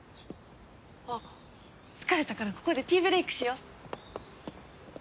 あっ疲れたからここでティーブレークしよ。